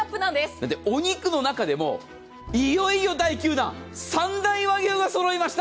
だってお肉の中でもいよいよ第９弾、三大和牛がそろいました。